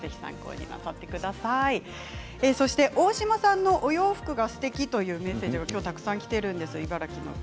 大島さんのお洋服がすてきというメッセージもきています。